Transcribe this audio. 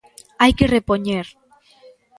Hai que repoñer.